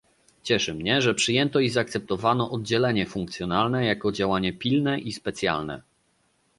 Cieszy mnie, że przyjęto i zaakceptowano oddzielenie funkcjonalne jako działanie pilne i specjalne